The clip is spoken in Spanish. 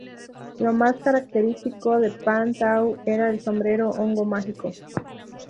Lo más característico de Pan Tau era su sombrero hongo mágico.